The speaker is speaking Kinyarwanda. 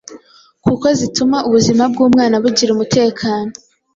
kuko zituma ubuzima bw’umwana bugira umutekano